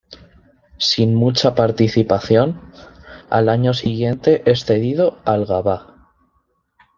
Sin mucha participación, al año siguiente es cedido al Gavá.